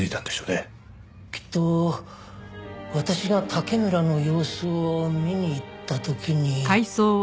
きっと私が竹村の様子を見に行った時に。